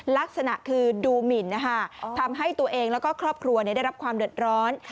ลักษณะคือดูหมินทำให้ตัวเองแล้วก็ครอบครัวได้รับความเดือดร้อน